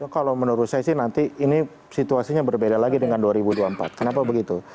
kalau menurut saya sih nanti ini situasinya berbeda lagi dengan dua ribu dua puluh empat kenapa begitu